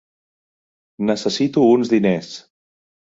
Necessito uns diners.